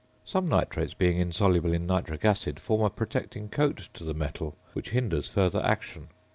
Some nitrates being insoluble in nitric acid, form a protecting coat to the metal which hinders further action.